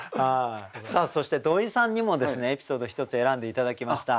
そして土井さんにもエピソード１つ選んで頂きました。